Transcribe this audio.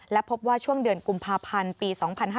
และพบว่าช่วงเดือนกุมภาพันธ์ปี๒๕๕๙